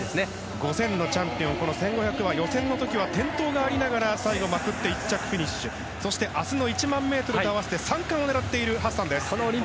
５０００のチャンピオン１５００は予選の時は転倒がありながら最後、まくって１着フィニッシュ明日の１００００ｍと合わせて３冠を狙っています。